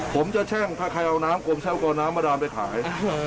ผมจะแช่งถ้าใครเอาน้ำกลมแช่ก็เอาน้ำมาดามไปขาย